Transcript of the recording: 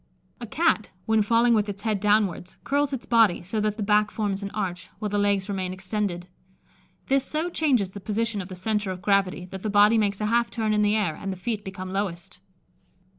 A Cat, when falling with its head downwards, curls its body, so that the back forms an arch, while the legs remain extended. This so changes the position of the centre of gravity, that the body makes a half turn in the air, and the feet become lowest.